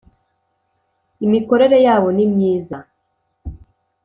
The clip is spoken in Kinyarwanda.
imikorere yabo ni myiza